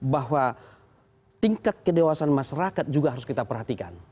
bahwa tingkat kedewasan masyarakat juga harus kita perhatikan